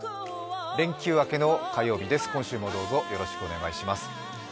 連休明けの火曜日です、今週もどうぞよろしくお願いします。